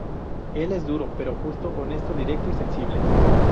Él es duro pero justo -honesto, directo y sensible.